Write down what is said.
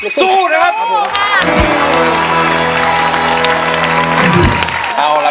พี่ต้องรู้หรือยังว่าเพลงอะไร